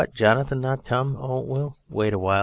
Jonathan not come? Oh! we'll wait awhile.